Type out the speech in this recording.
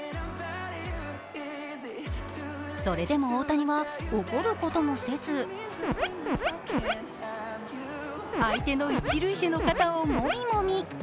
それでも大谷は怒ることもせず、相手の一塁手の肩をもみもみ。